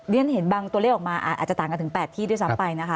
เรียนเห็นบางตัวเลขออกมาอาจจะต่างกันถึง๘ที่ด้วยซ้ำไปนะคะ